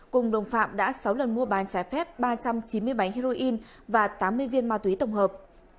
cùng đồng phạm đã sáu lần mua bán trái phép ba trăm chín mươi bánh heroin và tám mươi viên ma túy tổng hợp